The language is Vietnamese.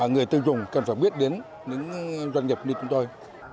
người tiêu dùng cần phải biết đến những doanh nghiệp như chúng tôi